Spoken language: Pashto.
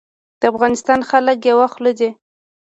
د افغانستان خلک یوه خوله دي